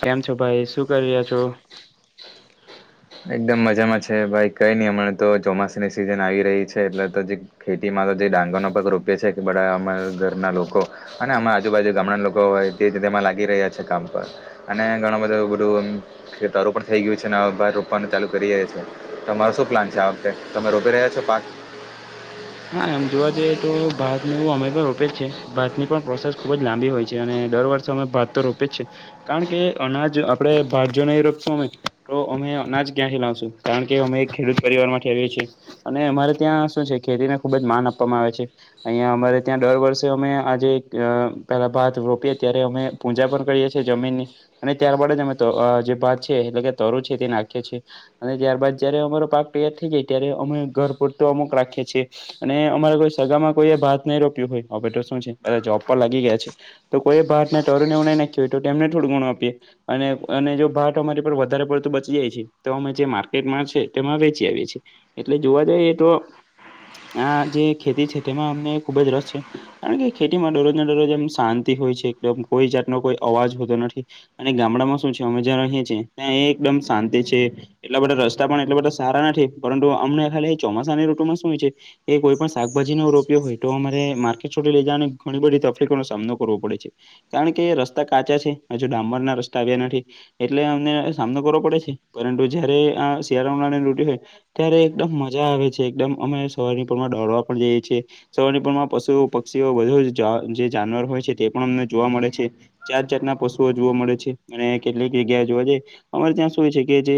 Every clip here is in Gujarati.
કેમ છો ભાઈ શું કરી રહ્યા છો. એકદમ મજામાં છે ભાઈ કઈ નહી હમણાં તો ચોમાસાની સિઝન આવી રહી છે એટલે તો જે ખેતીમાં તો જે ડાંગરનો પાક રોપયો છે કે બધા અમા ઘરના લોકો અને આમે આજુબાજુ ગામડા લોકો હો તે તેમાં લાગી રહ્યા છે કામ પર. અને ઘણ બધું એવું બધું ખેતરુ પણ થઇ ગયું છે ને હવે ભાત રો પવાનું ચાલુ કરીએ છીએ તમારો શું પ્લાન છે આ વખતે તમે રોપી રહ્યા છો પાક? હા એમ જોવા જઈએ તો ભાતને એવું અમે પણ રોપે જ છે ભાત ની પણ પ્રોસેસ ખુબ જ લાંબી હોય છે અને દર વર્ષે સમય ભાત તો રોપે જ છે. કારણ કે અનાજ આપડે ભાત જો નહી રોપસું અમે તો અમે અનાજ ક્યાંથી લાવશું. કારણ કે અમે એક ખેડૂત પરિવાર માંથી આવીએ છીએ અને અમારે ત્યાં શું છે ખેતીને ખૂબ જ માન આપવામાં આવે છે. અહિયા અમારે ત્યાં દર વર્ષે અમે આજે પેલા ભાત રોપીએ ત્યારે અમે પૂંજા પણ કરીએ છીએ જમીનની. અને ત્યારબાદ જ અમે જે ભાત છે એટલે કે તરું છે તે નાખીએ છીએ અને જ્યારબાદ જયારે અમારો પાક તૈયાર થઇ જાય ત્યારે અમે ઘર પૂરત અમુક રાખીએ છીએ. અને અમારે કોઈ સગામાં કોઈ એ ભાત નઈ રોપ્યું હોય અવે તો શું છે જોબ પર લાગી ગયા છે. તો કોઈ ભાત ને તરુ ને એવું નઈ નાખ્યું હોય તો તેમને થોડું ગણું આપીએ. અને અને જો ભાત અમારી પર વધારે પડતું બચી જાય છે તો અમે જે માર્કેટમાં છે તેમાં વેચી આવીએ છીએ. એટલે જોવા જઈએ તો આ જે ખેતી છે તેમાં અમને ખુબ જ રસ છે. કારણ કે ખેતીમાં દરરોજ ના દરોજ એમ શાંતિ હોય છે એકદમ કોઈ જાતનો કોઈ અવાજ હોતો નથી. અને ગામડામાં શું છે અમે જ્યાં રહીએ છીએ ત્યાં એ એકદમ શાંતિ છે. એટલા બધા રસ્તા પણ એટલા બધા સારા નથી પરંતુ અમને ખાલી ચોમાસાની ઋતુમાં શું છે કે કોઈ પણ શાકભાજી ને એવું રોપયો હોય તો અમારે માર્કેટ છોડી લઈ જવાને ઘણી બધી તકલીફો નો સામનો કરવો પડે છે. કારણ કે રસ્તા કાચા છે હજુ ડાંમરના રસ્તા આવ્યા નથી. એટલે અમને સામનો કરવો પડે છે પરંતુ જયારે આ શિયાળા ઉનાળાની ઋતુ હોય ત્યારે એકદમ મજા આવે છે એકદમ અમે સવારની પોર માં દોડવા પણ જઈએ છીએ. સવાર ની પોરમાં પશુઓ, પક્ષીઓ બધુ જા, જે જાનવર હોય છે, તે પણ અમને જોવા મળે છે. જાત-જાતના પશુઓ જોવા મળે છે અને કેટલીક જગ્યાએ જોવા જઈ અમારે ત્યાં શું છે કે જે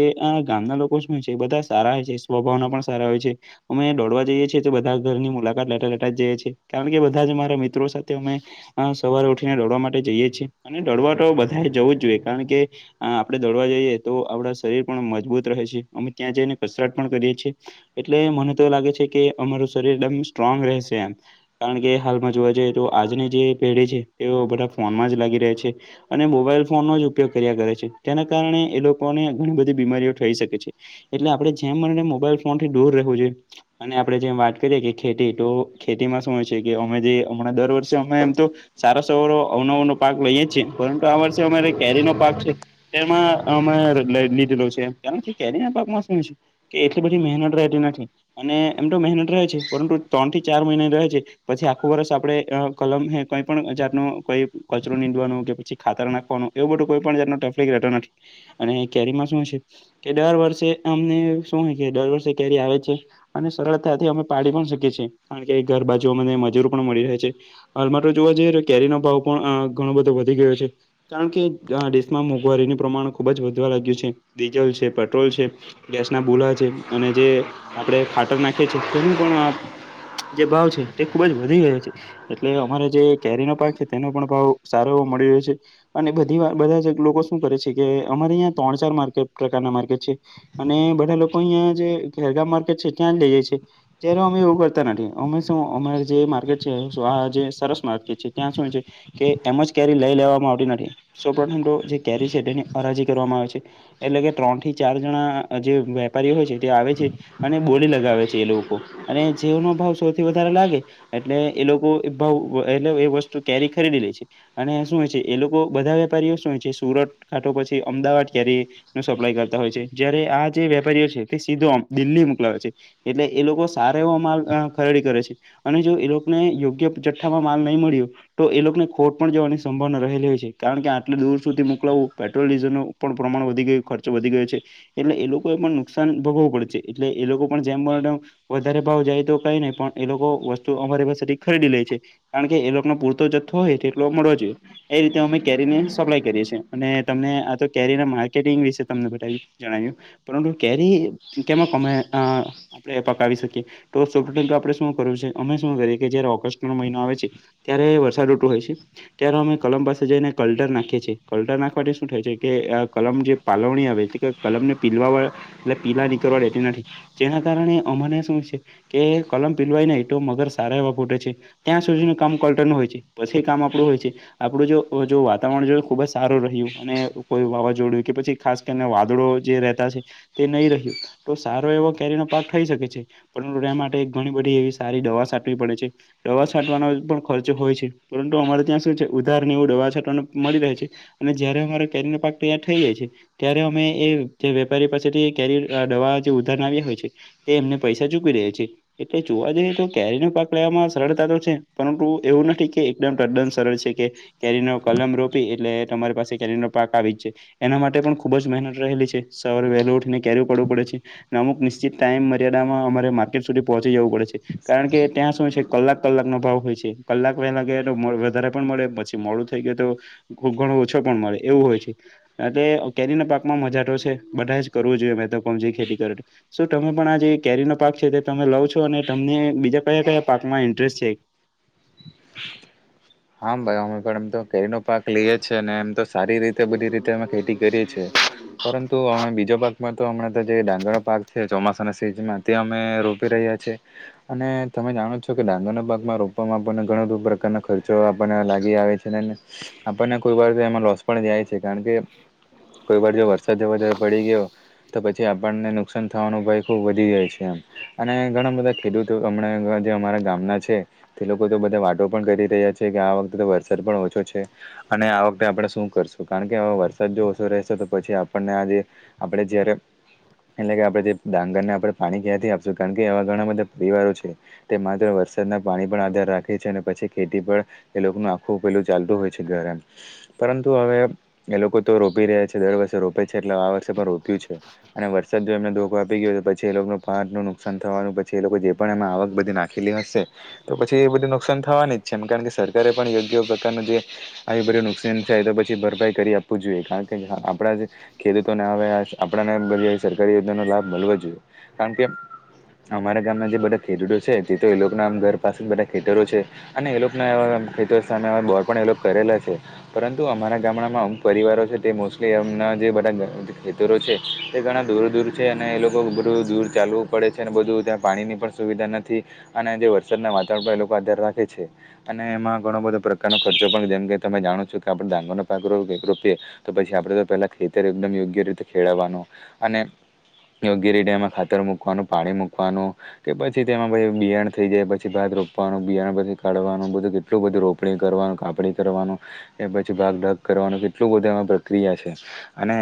ગામના લોકો શું છે, બધા સારા હોય છે સ્વભાવના પણ સારા હોય છે. અમે દોડવા જઈએ છીએ તો, બધા ઘરની મુલાકાત લેતા લેતા જઈ છે કારણ કે, બધા જ મારા મિત્રો સાથે અમે અ.. સવારે ઉઠીને દોડવા માટે જઈએ છીએ અને દોડવા તો બધાએ જવું જ જોઈએ, કારણ કે આપણે દોડવા જઈએ તો, આપણા શરીર પણ મજબૂત રહે છે, અમે ત્યાં જઈને કસરત પણ કરીએ છીએ. એટલે મને તો લાગે છે કે અમારું શરીર એકદમ સ્ટ્રોંગ રહેશે એમ કારણ કે, હાલમાં જોવા જઈએ તો આજની જે પેઢી છે, તેઓ બધા જ લાગી રહે છે. અને મોબાઈલ ફોનનો જ ઉપયોગ કર્યા કરે છે, જેના કારણે એ લોકોને ઘણી બધી બીમારીઓ થઈ શકે છે. એટલે આપણે જેમ બને ને મોબાઈલ ફોન થી દૂર રહેવું જોઈએ. અને આપડે જેમ વાત કરીએે કે ખેતી તો ખેતીમાં શું હોય છે કે, અમે જે હમણાં દર વર્ષે અમે એમ તો સારા, સવારો અવનોવનો પાક લઈએ છીએ, પરંતુ આ વર્ષે અમારે કેરી નો પાક છે એમાં અમે લ, લીધેલો છે કારણ કે, કેરી પાકમાં શું છે? કે એટલી બધી મહેનત રહેતી નથી અને એમ તો મહેનત રહે છે, પરંતુ ત્રણ થી ચાર મહિના રહે છે. પછી આખું વર્ષ આપડે કલમ કઈ પણ જાત નો કોઈ કચરો નીંદવાનું કે પછી ખાતર નાખવાનું એવું બધું કોઈ પણ જાતનો તફલીક રહેતો નથી અને કેરીમાં શું છે કે દર વર્ષે અમને શું હોય કે દર વર્ષે કેરી આવે છે. અને સરળતાથી અમે પાડી પણ શકીએ છીએ, કારણ કે, ઘર બાાજુ અમને મજૂર પણ મળી રહે છે. હાલ મા તો જોવા જઈએ, તો કેરીનો ભાવ પણ અ.. ઘણો બધો વધી ગયો છે. કારણ કે, આ દેશમાં મોંઘવારીનું પ્રમાણ ખુબ જ વધવા લાગ્યું છે, ડીઝલ છે, પેટ્રોલ છે. ગેસ ના બુલો છે અને જે આપણે ખાતર નાખીએ છે તેનું પણ આ જે ભાવ છે, તે ખુબ જ વધી ગયો છે. એટલે અમારે જે કેરીનો પાક છે, તેનો પણ ભાવ સારો એવો મળી રહ્યો છે. અને બધી વાર બધા જ લોકો શું કરે છે કે, અમારે અયા ત્રણ-ચાર માર્કેટ પ્રકારના માર્કેટ છે. અને બધા લોકો અહિયાં જે ખેરગામ માર્કેટ છે, ત્યાં જ લઈએ છે. જયારે અમે એવું કરતા નથી, અમે શું અમારે જે માર્કેટ છે, સ્વા જે સરસ માર્કેટ છે, ત્યાં શું છે કે એમ જ કેરી લઈ લેવામાં આવતી નથી, સૌપ્રથમ તો જે કેરી છે તેની હરાજી કરવામાં આવે છે. એટલે કે ત્રણ થી ચાર જણા જે વેપારીઓ હોય છે તે આવે છે અને બોલી લગાવે છે એ લોકો અને જેનો ભાવ સૌથી વધારે લાગે એટલે એ લોકો એ ભાવ એટલે એ વસ્તુ કેરી ખરીદી લે છે. અને શું હોય છે એ લોકો બધા વેપારીઓ શું હોય છે, સુરત કાતો પછી અમદાવાદ કેરી નું સપ્લાય કરતા હોય છે, જયારે આ જે વેપારીઓ છે, તે સીધો દિલ્હી મોકલાવે છે, એટલે એ લોકો સારા એવો માલ ખરીદી કરે છે. અને જો એ લોકોને યોગ્ય જથ્થામાં માલ નહીં મળીયો તો એ લોકોને ખોટ પણ જવાની સંભાવના રહેલી હોય છે, કારણ કે, આટલી દૂર સુધી મોકલાવું, પેટ્રોલ-ડીઝલ નું પણ પ્રમાણ વધી ગયું, ખર્ચો વધી ગયો છે એટલે એ લોકો એમાં નુકસાન ભોગવવું પડે છે. તો એ લોકો પણ જેમ મળે એમ વધારે ભાવ જાય તો કઈ નહી, પણ એ લોકો વસ્તુ અમારી પાસેથી ખરીદી લે છે કારણ કે, એ લોકોને પૂર તો જથ્થો હોય તેટલો મળવો જોઈએ, તો એ રીતે અમે કેરીને સપ્લાય કરીએ છીએ અને તમને આ તો કેરીના માર્કેટિંગ વિશે તમને બતાવ્યું. જણાવ્યું, પરંતુ કેરી કેમા કમાયા તા આપણેે પકાવી શકીએ, તો [unintelligible] આપણે શું કરું છે અમે શું કરીએ કે, જયારે ઓગસ્ટ નો મહિનો આવે છે. ત્યારે વરસાદ ઋતુ હોય છે. ત્યારે અમે કલમ પાસે જઈને કલ્ટર નાખીએ છીએ, કલટર નાખવા થી શું થાય છે કે આ કલમ જે પાલવણી આવે છે તે કલમ ને પીલવા વાળા એટલે પીલા નીકળવા દેતી નથી, જેના કારણે અમાને શું છે? કે કલમ પીલવાય ને એ તો મગર સારા એવા પૂટે છે. ત્યાં સુધીનું કામ કલ્ટનું હોય છે, પછી એ કામ આપણું હોય છે. આપડું જો જો વાતાવરણ જોય ખુબ જ સારું રહ્યું અને કોઈ વાવાઝોડું કે પછી ખાસ... વાદળો જે રેતા છે. તે નહી રહ્યું તો સારો એવો કેરીનો પાક થઈ શકે છે. પરંતુ એ માટે ઘણી બધી એવી સારી દવા સાટવી પડે છે, દવા સાટવાનો પણ... ખર્ચો હોય છે. પરંતુ અમારે ત્યાં શું છે, ઉધાર ને એવું દવા છાટવાને મળી રહે છે... અને જયારે અમારો કેરીનો પાક તૈયાર થઇ જાય છે. ત્યારે અમે એ જે વેપારી પાસેથી કેરી દવા જે ઉધાર આવ્યા હોય છે. એમને પૈસા ચુકવી રહ્યા છે. એટલે જોવા જઈએ તો કેરીનો પાક લેવામાં સરળતા તો છે, પરંતુ એવું નથી કે એકદમ તદ્દન સરળ છે, કે... કેરીનો કલમ રોપી એટલે તમારી પાસે કેરીનો પાક આવી જાય. એના માટે પણ ખુબ જ મહેનત રહેલી છે, સવારે વહેલી ઉઠીને કેયું પાડવું પડે છે. અમુક નિશ્ચિત ટાઈમ મર્યાદામાં અમારે માર્કેટ સુધી પહોંચી જવું પડે છે, કારણ કે ત્યાં સુ... કલાક કલાક નો ભાવ હોય છે, કલાક વહેલા ગયા તો વધારે પણ મળે પછી મોડું થઈ ગય તો... ઘણો ઓછો પણ મળે એવું હોય છે. એટલે કેરીના પાકમાં મજાટો છે, બધા જ કરવું જોઈએ મેં તો કોમ જે ખેતી તો... શું તમે પણ આ જે કેરીનો પાક છે, તે તમે લાવ છો અને તમને બીજા કયા કયા પાકમાં ઇન્ટરેસ્ટ છે. હા ભાઈ અમે પણ એમ તો કેરીનો પાક લઈએ છે ને એમ તો... સારી રીતે બધી રીતે અમે ખેતી કરીએ છે. પરંતુ અમે બીજો પાક... માં તો હમણાં તો જે ડાંગર પાક છે ચોમાસાના સીઝનમાં તે અમે રોપી રહ્યા છે. અને તમે જાણો છો કે ડાંગર ના ભાગમાં રોપમાં આપણને ઘણા બધુ પ્રકારના ખર્ચ... આપણને આવે છે, આપણને કોઈ વાર એમાં રસ... પણ જાય છે કારણ કે, કોઈ વાર જો વરસાદ વધારે પડી ગયો પણ... તો પછી આપણને નુકસાન થવાનો ભય ખૂબ વધી જાય છે એમ અને ઘણા બધા ખેડૂત... હમણાં જે અમારા ગામના છે, તે લોકો તો બધા વાતો પણ કરી રહ્યા છે. કે આ વખતેતો વરસાદ પણ ઓછો છે. અને આ વખતે આપણે શું કરશું? કારણ કે વરસાદ જો ઓછો રહેશે તો પછી આપણને આ જે... આપડે જ્યારે. એટલે કે આપણે જે ડાંગરને આપણે પાણી ક્યાંથી આપશું કારણ કે, એવા ઘણા બધા પરિવારો છે. તે માત્ર વરસાદના પાણી પણ આધાર રાખે છે અને પછી ખેતી પણ... એ લોકનું આખું પેલું ચાલતું હોય છે, ગરાન... પરંતુ હવે એ લોકો તો રોપી રહ્યા છે, દર વર્ષે રોપે છે, એટલે આ વર્ષે પણ રોપ્યું છે. અને વરસાદ જો એમને ધોખો આપી ગયો તો પછી એ લોકો પાક નુકસાન થવાનું પછી એ લોકો જે પણ એમાં આવક બધી નાખી. ખીલી હશે. તો પછી એ બધું નુકસાન થવાની જ છે એમ કારણ કે સરકારે પણ યોગ્ય પ્રકારનું જે... આવી બધી નુકસાન થાય તો પછી ભરપાઈ કરી આપવું જોઈએ કારણ કે આપણા જે... ખેડૂતોને હવે આપને બધી સરકારી યોજનાનો લાભ મળવો જોઈએ. કારણ કે... અમારા ગામના જે બધા ખેડૂતો છે તે તો એ લોકોના આમ ઘર પાસે જ બધા ખેતરો છે અને એ લોકો... ખેતરો સામે બોર પણ એ લોકો કરેલા... પરંતુ અમારા ગામડામાં અમુક પરિવારો છે તે મોસ્ટલી એમના જે બધા ઘર... ખેતરો છે. તે ઘણા દૂર દૂર છે અને એ લોકો બધું દૂર ચાલવું પડે છે, અને બધું ત્યાં પાણીની પણ.... સુવિધા નથી. અને જે વરસાદના વાતાવરણ પર એ લોકો આધાર રાખે છે. અને એમાં ઘણો બધો પ્રકારનો ખર્ચો પણ જેમ કે તમે જાણો છો કે આપણે ડાંગરનો પાક રોપે રોપિયે. તો પછી આપડે તો પેલા ખેતર એકદમ યોગ્ય રીતે ખેડવવાનું અને.... યોગ્ય રીતે એમાં ખાતર મૂકવાનું પાણી મૂકવાનું... કે પછી તેમાં પછી બિયાણ થઈ જાય પછી ભા રોપવાનું બિયણ પછી કાઢવાનું બી કે કેટલું બધું રોપણી કરવાનું કાપણી કરવાનું. એ પછી ભાગઢાગ કરવાનું કેટલું બધું એમાં પ્રક્રિયા છે, અને